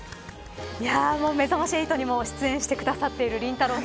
めざまし８にも出演してくださっているりんたろー。